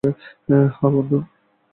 হ্যাঁ, বন্ধু।